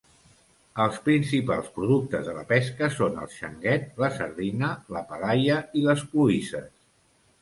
Els principals productes de la pesca són el xanguet, la sardina, la palaia i les cloïsses.